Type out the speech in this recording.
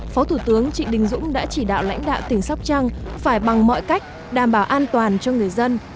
phó thủ tướng trịnh đình dũng đã chỉ đạo lãnh đạo tỉnh sóc trăng phải bằng mọi cách đảm bảo an toàn cho người dân